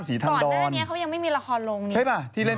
ที่มีถ่ายอยู่ข้ามศรีทันดอน